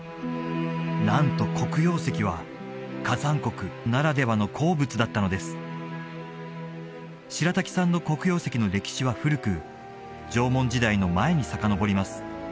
なんと黒曜石は火山国ならではの鉱物だったのです白滝産の黒曜石の歴史は古く縄文時代の前にさかのぼります